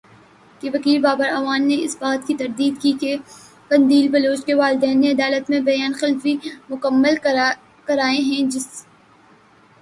کے وکیل بابر اعوان نے اس بات کی تردید کی کہ قندیل بلوچ کے والدین نے عدالت میں بیان حلفی مکمل کرائے ہیں جس